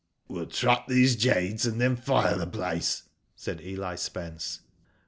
'^ We'll trap these jades, and then fire the place/' said Eli Spence.